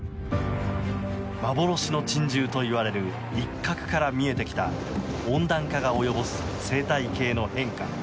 幻の珍獣といわれるイッカクから見えてきた温暖化が及ぼす生態系の変化。